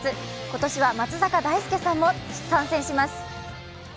今年は松坂大輔さんも参戦します。